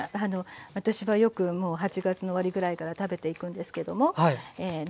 私はよくもう８月の終わりぐらいから食べていくんですけども長芋を使います。